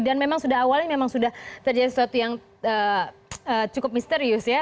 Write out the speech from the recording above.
dan memang sudah awalnya memang sudah terjadi sesuatu yang cukup misterius ya